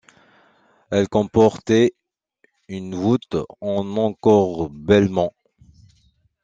Elle comportait une voûte en encorbellement.